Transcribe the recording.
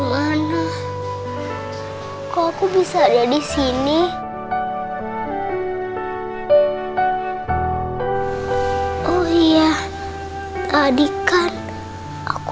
tapi kok bisa sih anak itu dalam mobil aku